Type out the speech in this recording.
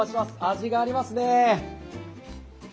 味がありますね。